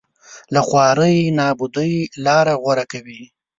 له خوارۍ نابودۍ لاره غوره کوي